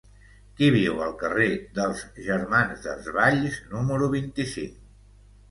Qui viu al carrer dels Germans Desvalls número vint-i-cinc?